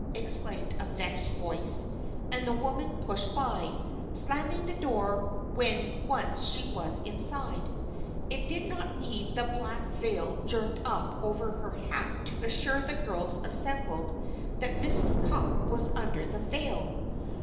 exclaimed a vexed voice and the woman pushed by, slamming the door when once she was inside. It did not need the black veil jerked up over her hat to assure the girls assembled that Mrs. Cupp was under the veil!